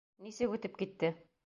Нисек үтеп китте?